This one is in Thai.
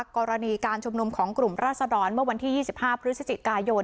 กรณีการชุมนุมของกลุ่มราศดรเมื่อวันที่๒๕พฤศจิกายน